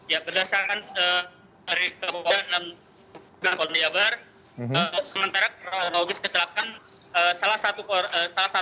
ya berdasarkan dari kepolisian